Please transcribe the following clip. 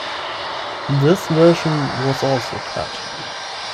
This version was also cut.